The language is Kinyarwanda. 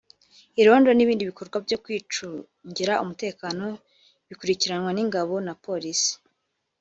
Irondo n’ibindi bikorwa byo kwicungira umutekano bikurikiranwa n’ingabo na Polisi